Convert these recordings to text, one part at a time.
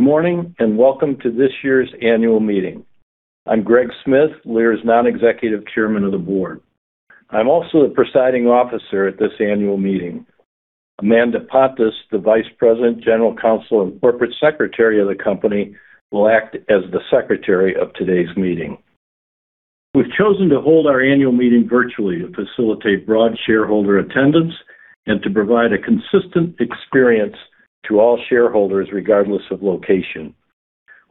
Good morning. Welcome to this year's annual meeting. I'm Greg Smith, Lear's Non-Executive Chairman of the Board. I'm also the presiding officer at this annual meeting. Amanda Pontes, the Vice President, General Counsel, and Corporate Secretary of the company, will act as the secretary of today's meeting. We've chosen to hold our annual meeting virtually to facilitate broad shareholder attendance and to provide a consistent experience to all shareholders, regardless of location.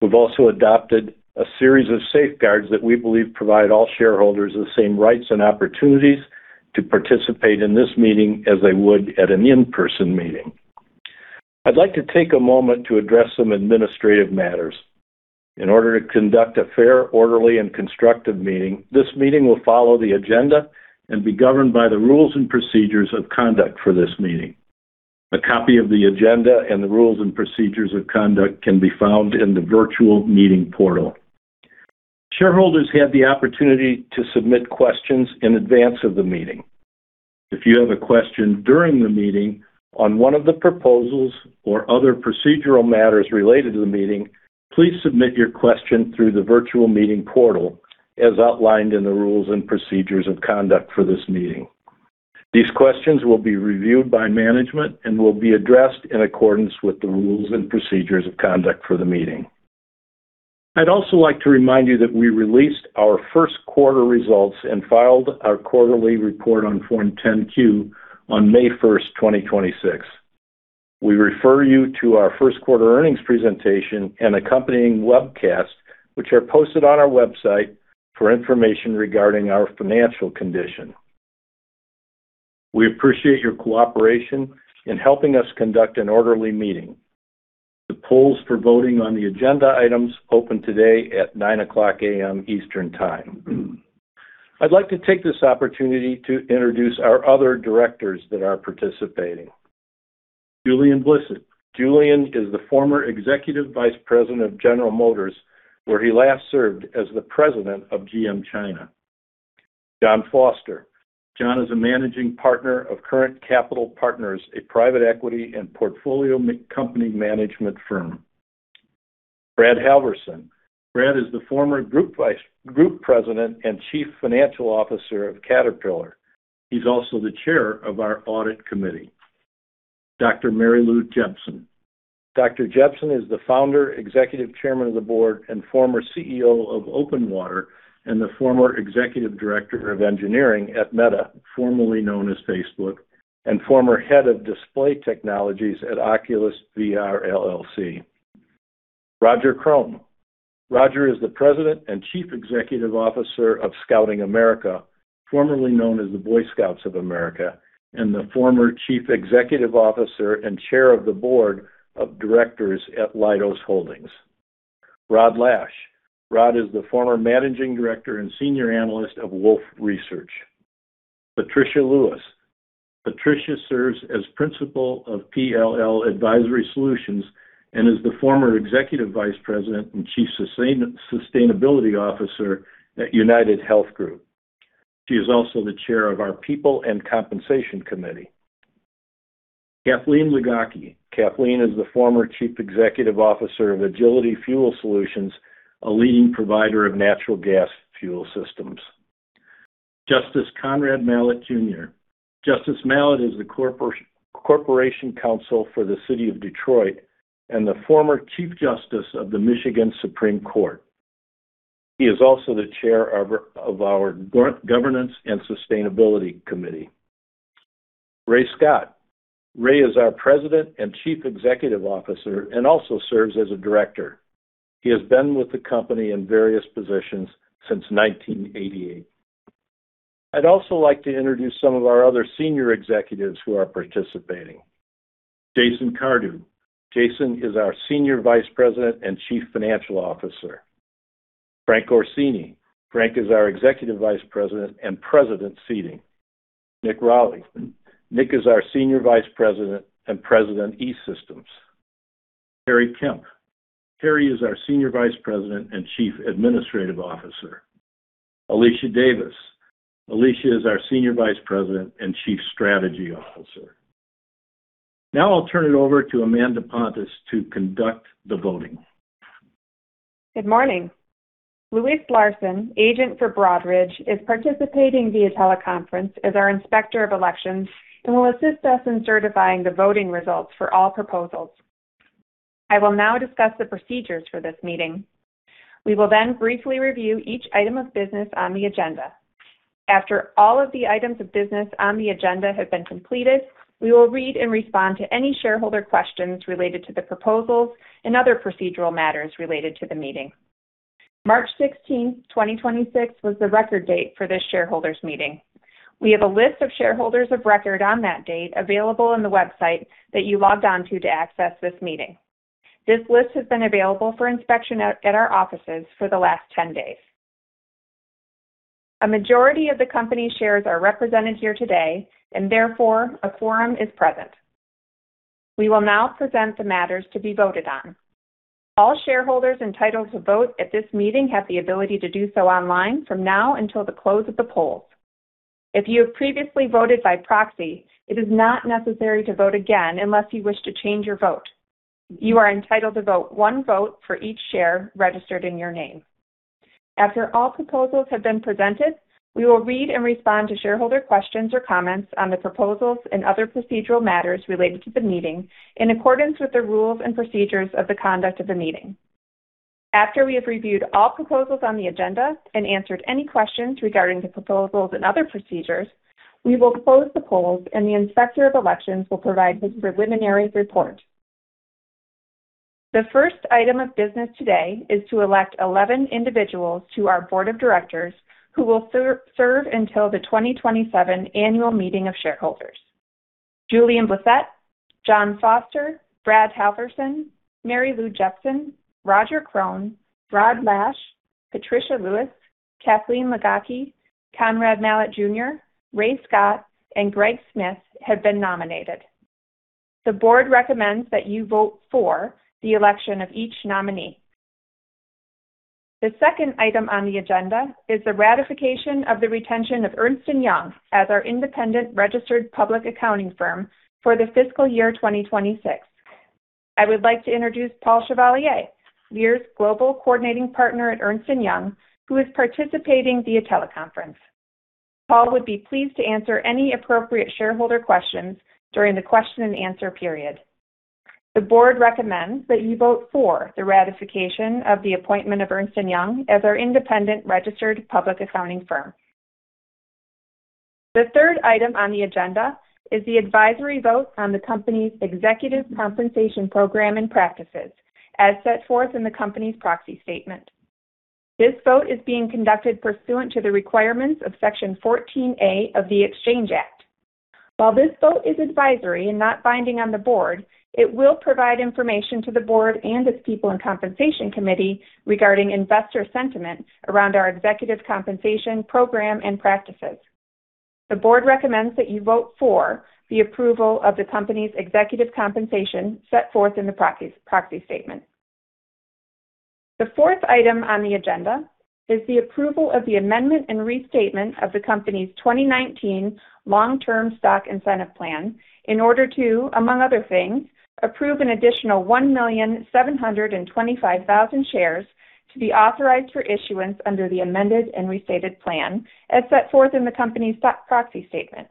We've also adopted a series of safeguards that we believe provide all shareholders the same rights and opportunities to participate in this meeting as they would at an in-person meeting. I'd like to take a moment to address some administrative matters. In order to conduct a fair, orderly, and constructive meeting, this meeting will follow the agenda and be governed by the rules and procedures of conduct for this meeting. A copy of the agenda and the rules and procedures of conduct can be found in the virtual meeting portal. Shareholders had the opportunity to submit questions in advance of the meeting. If you have a question during the meeting on one of the proposals or other procedural matters related to the meeting, please submit your question through the virtual meeting portal as outlined in the rules and procedures of conduct for this meeting. These questions will be reviewed by management and will be addressed in accordance with the rules and procedures of conduct for the meeting. I'd also like to remind you that we released our first quarter results and filed our quarterly report on Form 10-Q on May 1st, 2026. We refer you to our first quarter earnings presentation and accompanying webcast, which are posted on our website for information regarding our financial condition. We appreciate your cooperation in helping us conduct an orderly meeting. The polls for voting on the agenda items open today at 9:00 A.M. Eastern Time. I'd like to take this opportunity to introduce our other directors that are participating. Julian Blissett. Julian is the former Executive Vice President of General Motors, where he last served as the President of GM China. Jonathan Foster. Jonathan is a Managing Partner of Current Capital Partners, a private equity and portfolio company management firm. Bradley Halverson. Bradley is the former Group President and Chief Financial Officer of Caterpillar. He's also the Chair of our Audit Committee. Dr. Mary Lou Jepsen. Dr. Jepsen is the founder, Executive Chairman of the Board, and former CEO of Openwater and the former Executive Director of Engineering at Meta, formerly known as Facebook, and former Head of Display Technologies at Oculus VR, LLC. Roger Krone. Roger is the President and Chief Executive Officer of Scouting America, formerly known as the Boy Scouts of America, and the former Chief Executive Officer and Chair of the Board of Directors at Leidos Holdings. Rod Lache. Rod is the former Managing Director and Senior Analyst of Wolfe Research. Patricia Lewis. Patricia serves as Principal of PLL Advisory Solutions and is the former Executive Vice President and Chief Sustainability Officer at UnitedHealth Group. She is also the Chair of our People and Compensation Committee. Kathleen Ligocki. Kathleen is the former Chief Executive Officer of Agility Fuel Solutions, a leading provider of natural gas fuel systems. Justice Conrad Mallett Jr. Justice Mallett is the Corporation Counsel for the City of Detroit and the former Chief Justice of the Michigan Supreme Court. He is also the Chair of our Governance and Sustainability Committee. Ray Scott. Ray is our President and Chief Executive Officer and also serves as a director. He has been with the company in various positions since 1988. I'd also like to introduce some of our other Senior Executives who are participating. Jason Cardew. Jason is our Senior Vice President and Chief Financial Officer. Frank Orsini. Frank is our Executive Vice President and President, Seating. Nicholas Roelli. Nicholas is our Senior Vice President and President, E-Systems. Harry Kemp. Harry is our Senior Vice President and Chief Administrative Officer. Alicia Davis. Alicia is our Senior Vice President and Chief Strategy Officer. Now I'll turn it over to Amanda Pontes to conduct the voting. Good morning. Louis Larsen, agent for Broadridge, is participating via teleconference as our Inspector of Elections and will assist us in certifying the voting results for all proposals. I will now discuss the procedures for this meeting. We will then briefly review each item of business on the agenda. After all of the items of business on the agenda have been completed, we will read and respond to any shareholder questions related to the proposals and other procedural matters related to the meeting. March 16, 2026 was the record date for this shareholders meeting. We have a list of shareholders of record on that date available on the website that you logged on to to access this meeting. This list has been available for inspection at our offices for the last 10 days. A majority of the company shares are represented here today, and therefore, a quorum is present. We will now present the matters to be voted on. All shareholders entitled to vote at this meeting have the ability to do so online from now until the close of the polls. If you have previously voted by proxy, it is not necessary to vote again unless you wish to change your vote. You are entitled to vote one vote for each share registered in your name. After all proposals have been presented, we will read and respond to shareholder questions or comments on the proposals and other procedural matters related to the meeting in accordance with the rules and procedures of the conduct of the meeting. After we have reviewed all proposals on the agenda and answered any questions regarding the proposals and other procedures, we will close the polls, and the Inspector of Elections will provide his preliminary report. The first item of business today is to elect 11 individuals to our board of directors who will serve until the 2027 annual meeting of shareholders. Julian Blissett, John Foster, Brad Halverson, Mary Lou Jepsen, Roger Krone, Rod Lache, Patricia Lewis, Kathleen Ligocki, Conrad Mallett Jr., Ray Scott, and Greg Smith have been nominated. The board recommends that you vote for the election of each nominee. The second item on the agenda is the ratification of the retention of Ernst & Young as our independent registered public accounting firm for the fiscal year 2026. I would like to introduce Paul Chevalier, Lear's Global Coordinating Partner at Ernst & Young, who is participating via teleconference. Paul would be pleased to answer any appropriate shareholder questions during the question and answer period. The board recommends that you vote for the ratification of the appointment of Ernst & Young as our independent registered public accounting firm. The third item on the agenda is the advisory vote on the company's executive compensation program and practices as set forth in the company's proxy statement. This vote is being conducted pursuant to the requirements of Section 14(a) of the Exchange Act. While this vote is advisory and not binding on the board, it will provide information to the board and its people and compensation committee regarding investor sentiment around our executive compensation program and practices. The board recommends that you vote for the approval of the company's executive compensation set forth in the proxy statement. The fourth item on the agenda is the approval of the amendment and restatement of the company's 2019 Long-Term Stock Incentive Plan in order to, among other things, approve an additional 1,725,000 shares to be authorized for issuance under the amended and restated plan as set forth in the company's stock proxy statement.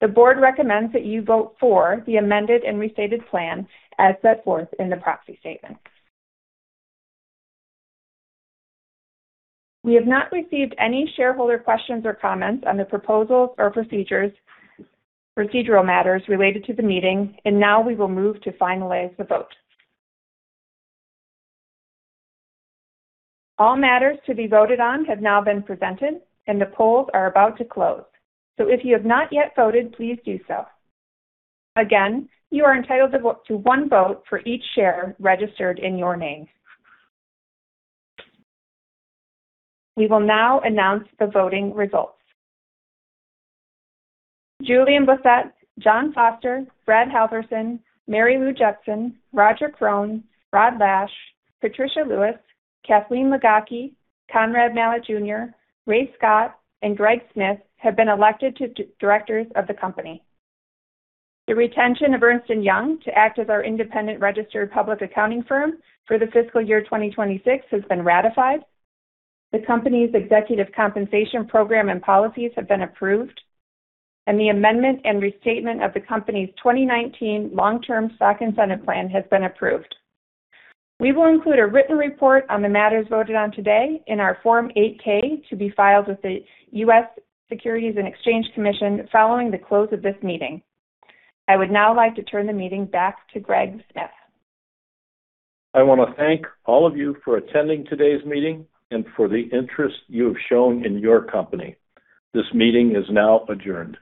The board recommends that you vote for the amended and restated plan as set forth in the proxy statement. We have not received any shareholder questions or comments on the proposals or procedures, procedural matters related to the meeting. Now we will move to finalize the vote. All matters to be voted on have now been presented, and the polls are about to close. If you have not yet voted, please do so. Again, you are entitled to vote to one vote for each share registered in your name. We will now announce the voting results. Julian Blissett, Jonathan Foster, Bradley Halverson, Mary Lou Jepsen, Roger Krone, Rod Lache, Patricia Lewis, Kathleen Ligocki, Conrad L. Mallett, Jr., Ray Scott, and Greg Smith have been elected to directors of the company. The retention of Ernst & Young to act as our independent registered public accounting firm for the fiscal year 2026 has been ratified. The company's executive compensation program and policies have been approved, and the amendment and restatement of the company's 2019 Long-Term Stock Incentive Plan has been approved. We will include a written report on the matters voted on today in our Form 8-K to be filed with the U.S. Securities and Exchange Commission following the close of this meeting. I would now like to turn the meeting back to Greg Smith. I wanna thank all of you for attending today's meeting and for the interest you have shown in your company. This meeting is now adjourned.